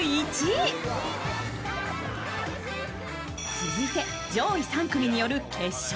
続いて上位３組による決勝。